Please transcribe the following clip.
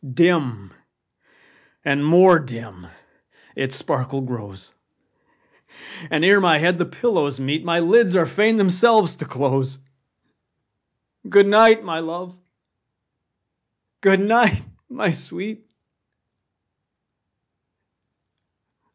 Dim and more dim its sparkle grows, And ere my head the pillows meet, My lids are fain themselves to close. Good night, my love! good night, my sweet!